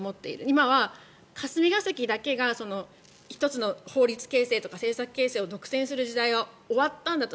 今は霞が関だけが１つの法律形成とか政策形成を独占する時代は終わったんだと。